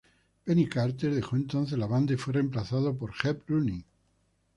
Penny Carter dejó entonces la banda y fue reemplazada por Herb Rooney.